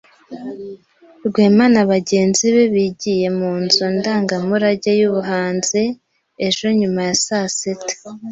Rwema na bagenzi be bigiye mu nzu ndangamurage yubuhanzi ejo nyuma ya saa sita.